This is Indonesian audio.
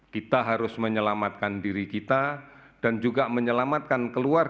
kita harus menyelamatkan diri kita dan juga menyelamatkan keluarga